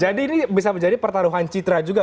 ini bisa menjadi pertaruhan citra juga